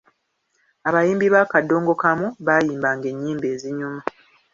Abayimbi ba kaddongokamu bayimbanga ennyimba ezinyuma.